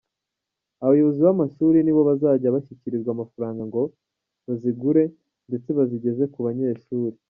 Abayobozi b’amashuri nibo bazajya bashyikirizwa amafaranga ngo bazigure ndetse bazigeze ku banyeshuri.